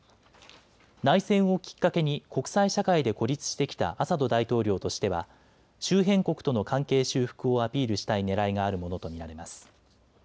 内戦をきっかけに国際社会で孤立してきたアサド大統領としては周辺国との関係修復をアピールしたいねらいがあるものと見られます。